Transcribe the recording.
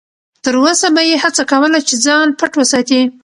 تر وسه به یې هڅه کوله چې ځان پټ وساتي.